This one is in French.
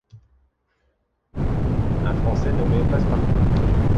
Un Français nommé Passepartout.